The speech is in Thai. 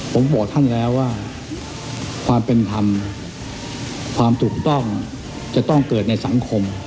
ผมบอกท่านแล้วว่าความเป็นธรรมความถูกต้องจะต้องเกิดในสังคม